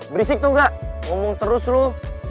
berisik tau gak ngomong terus lo